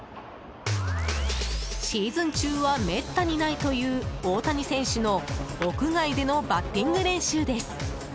シーズン中はめったにないという大谷選手の屋外でのバッティング練習です。